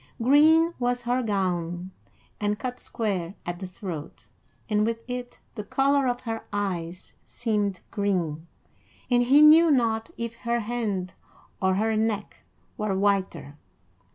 Green was her gown, and cut square at the throat, and with it the color of her eyes seemed green, and he knew not if her hand or her neck were whiter.